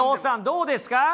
どうですか？